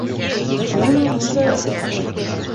Төн уҙҙы.